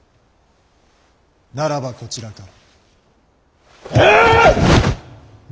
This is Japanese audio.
ならばこちらから。